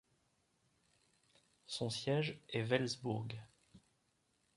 Son siège est Wellsburg.